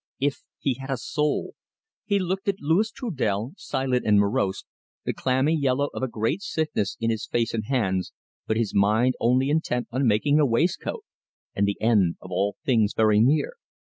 "If he had a soul!" He looked at Louis Trudel, silent and morose, the clammy yellow of a great sickness in his face and hands, but his mind only intent on making a waistcoat and the end of all things very near!